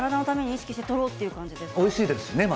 おいしいですしね。